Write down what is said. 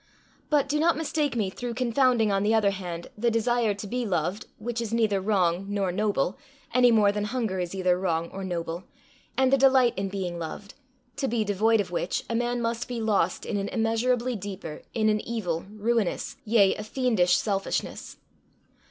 But do not mistake me through confounding, on the other hand, the desire to be loved which is neither wrong nor noble, any more than hunger is either wrong or noble and the delight in being loved, to be devoid of which a man must be lost in an immeasurably deeper, in an evil, ruinous, yea, a fiendish selfishness.